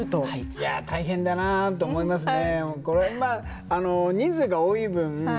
いや大変だなと思いますね。